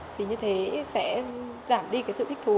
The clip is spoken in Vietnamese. thì như thế sẽ giảm đi sự thích thú